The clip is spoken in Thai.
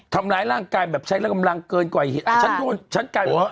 ทำร้ายร่างกายแบบใช้ละกำลังเกินกว่าอีก